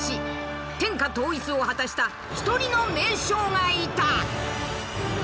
天下統一を果たした一人の名将がいた。